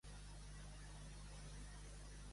Hitler, de nou, rebutjà aquesta petició.